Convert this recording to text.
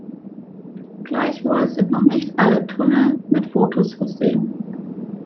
Gleichwohl sind noch nicht alle Tunnel mit Fotos versehen.